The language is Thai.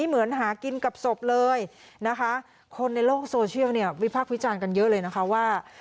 เหมือนหากินกับศพเลยนะคะคนในโลกโซเชียลเนี่ยวิพากษ์วิจารณ์กันเยอะเลยนะคะว่า